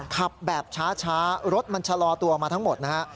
ขับแบบช้ารถมันชะลอตัวมาทั้งหมดนะฮะ